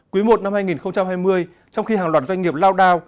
quý i năm hai nghìn hai mươi trong khi hàng loạt doanh nghiệp lao đao